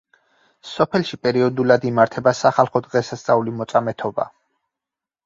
სოფელში პერიოდულად იმართება სახალხო დღესასწაული მოწამეთობა.